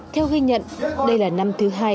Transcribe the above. theo ghi nhận đây là năm thứ hai